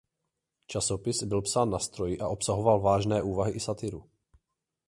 Časopis byl psán na stroji a obsahoval vážné úvahy i satiru.